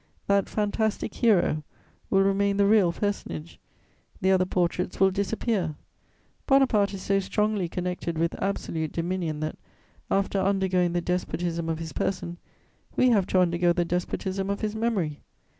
That fantastic hero will remain the real personage; the other portraits will disappear. Bonaparte is so strongly connected with absolute dominion that, after undergoing the despotism of his person, we have to undergo the despotism of his memory.